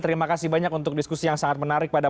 terima kasih banyak untuk diskusi yang sangat menarik pada